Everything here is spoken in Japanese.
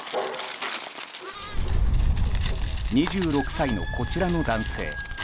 ２６歳のこちらの男性。